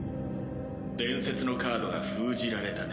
伝説のカードが封じられたね。